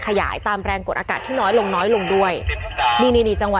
ขยายตามแรงกดอากาศที่น้อยลงน้อยลงด้วยนี่นี่จังหว